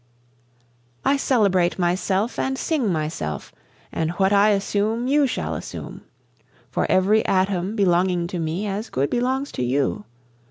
I celebrate myself, and sing myself, And what I assume you shall assume, For every atom belonging to me as good belongs to you.